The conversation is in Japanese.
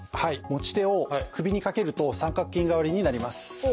持ち手を首にかけると三角巾代わりになります。